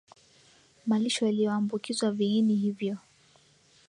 malisho yaliyoambukizwa viini hivyo